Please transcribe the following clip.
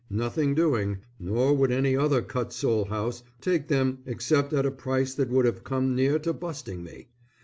Nothing doing, nor would any other cut sole house take them except at a price that would have come near to busting me.